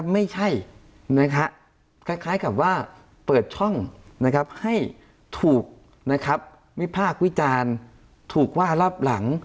ไม่ใช่คล้ายกับว่าเปิดช่องให้ถูกวิพากษ์วิจารณ์ถูกว่ารอบหลัง